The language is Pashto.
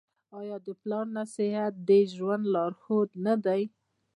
آیا د پلار نصیحت د ژوند لارښود نه دی؟